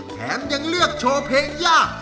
แถมยังเลือกโชว์เพลงยาก